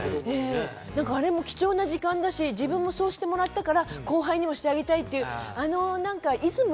何かあれも貴重な時間だし自分もそうしてもらったから後輩にもしてあげたいっていうあの何かイズムがいいですよね。